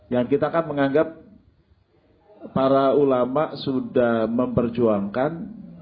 yang kita kan menganggap para ulama sudah memperjuangkan